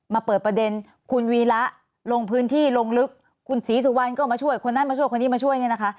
มาเปิดประเด็นคุณวีระลงพื้นที่ลงลึกคุณศรีสุวรรณก็มาช่วยคนนั้นมาช่วยคนนี้มาช่วยเนี่ยนะคะ